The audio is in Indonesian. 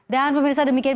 dan pemirsa demikian